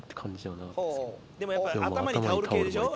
でもやっぱ頭にタオル系でしょ。